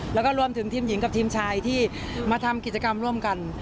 แล้วก็รวมถึงทีมหญิงกับทีมชายที่มาทำกิจกรรมร่วมกัน